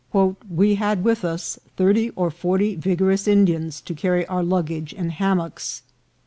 " We had with us thirty or forty vigorous Indians to carry our luggage and hammocks.